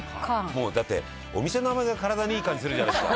「もうだってお店の名前が体にいい感じするじゃないですか」